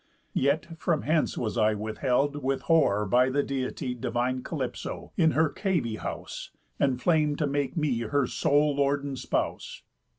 Yet, from hence was I Withheld with horror by the Deity, Divine Calypso, in her cavy house, Enflam'd to make me her sole lord and spouse.